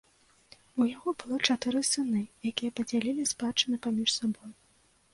У яго было чатыры сыны, якія падзялілі спадчыну паміж сабой.